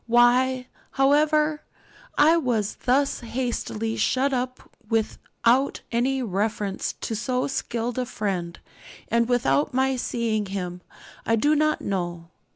Why, however, I was thus hastily shut up without any reference to so skilled a friend, and without my seeing him, I do not know.